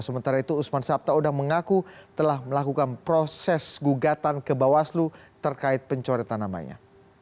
sementara itu usman sabta odang mengaku telah melakukan proses gugatan ke bawaslu terkait pencoretan namanya